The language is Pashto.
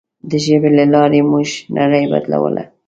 د ژبې له لارې موږ نړۍ بدلوله.